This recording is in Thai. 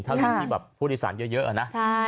เท่าที่ผู้โดยสารเยอะอะนะ